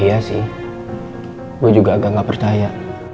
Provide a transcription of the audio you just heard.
iya sih gue juga agak nggak percaya